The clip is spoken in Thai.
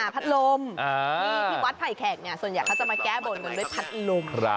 พัดลมที่วัดไผ่แขกส่วนใหญ่เขาจะมาแก้บนกันด้วยพัดลม